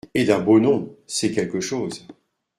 Et d’un beau nom ! c’est quelque chose !